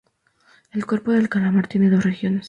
El cuerpo del calamar tiene dos regiones.